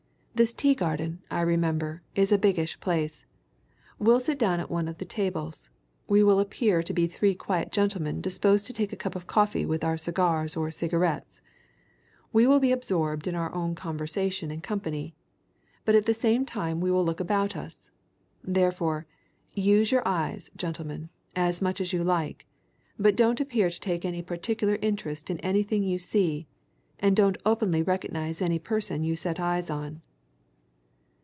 This tea garden, I remember, is a biggish place. We will sit down at one of the tables we will appear to be three quiet gentlemen disposed to take a cup of coffee with our cigars or cigarettes we will be absorbed in our own conversation and company, but at the same time we will look about us. Therefore, use your eyes, gentlemen, as much as you like but don't appear to take any particular interest in anything you see, and don't openly recognize any person you set eyes on."